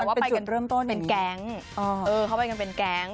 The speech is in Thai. มันเป็นจุดเริ่มต้นนี้เป็นแก๊งเออเขาไปกันเป็นแก๊ง